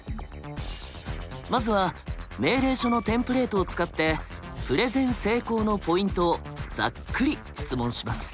まずは命令書のテンプレートを使って「プレゼン成功のポイント」をざっくり質問します。